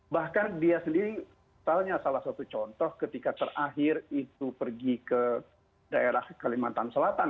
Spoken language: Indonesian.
bahkan dia sendiri misalnya salah satu contoh ketika terakhir itu pergi ke daerah kalimantan selatan